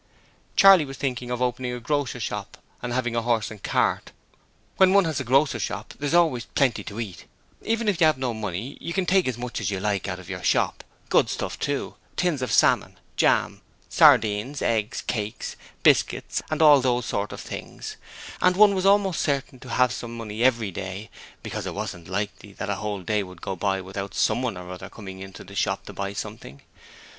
Charley was thinking of opening a grocer's shop and having a horse and cart. When one has a grocer's shop, there is always plenty to eat; even if you have no money, you can take as much as you like out of your shop good stuff, too, tins of salmon, jam, sardines, eggs, cakes, biscuits and all those sorts of things and one was almost certain to have some money every day, because it wasn't likely that a whole day would go by without someone or other coming into the shop to buy something.